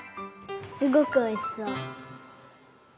すごくおいしそう！